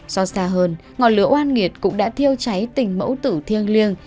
so xa hơn ngọn lửa oan nghiệt cũng đã thiêu cháy tình mẫu tử thiêng liêng